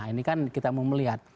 ini kan kita mau melihat